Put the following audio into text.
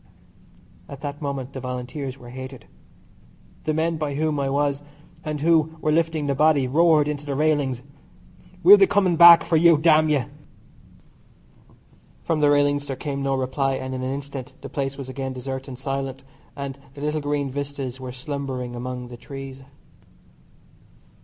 At that moment the Volunteers were hated. The men by whom I was and who were lifting the body, roared into the railings: "We'll be coming back for you, damn you." From the railings there came no reply, and in an instant the place was again desert and silent, and the little green vistas were slumbering among the trees.